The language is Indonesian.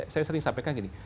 saya sering sampaikan gini